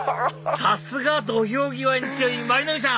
さすが土俵際に強い舞の海さん！